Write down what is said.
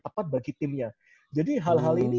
tepat bagi timnya jadi hal hal ini